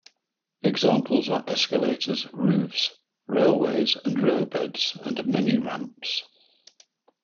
Examples are escalators, roofs, railways and riverbeds and many ramps.